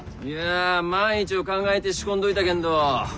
いや万一を考えて仕込んどいたけんど